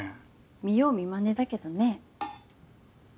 見よう見まねだけどね。